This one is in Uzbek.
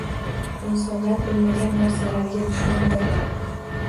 Insonlar bilmagan narsalariga dushmandirlar.